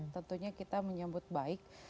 tentunya kita menyebut baik